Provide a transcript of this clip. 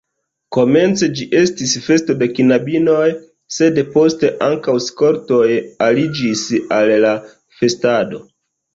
Komence ĝi estis festo de knabinoj, sed poste ankaŭ skoltoj aliĝis al la festado.